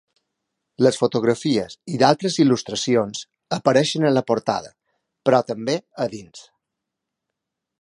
Les fotografies i d'altres il·lustracions apareixien a la portada, però també a dins.